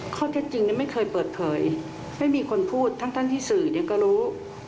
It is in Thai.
ข้อเท็จจริงไม่เคยเปิดเผยไม่มีคนพูดทั้งที่สื่อก็รู้